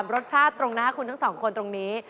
รสชาติตรงหน้าคุณทั้งสองคนตรงนี้